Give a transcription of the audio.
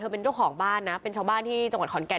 เป็นเจ้าของบ้านที่จังหวัดหอนกกัน